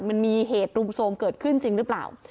มันมีเหตุรุมโทรมเกิดขึ้นจริงหรือเปล่า